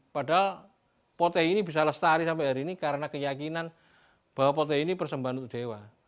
padahal potehi ini bisa lestari sampai hari ini karena keyakinan bahwa potehi ini persembahan untuk dewa